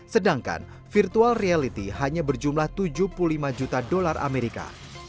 sedangkan virtual reality hanya berjumlah tujuh puluh lima juta dolar amerika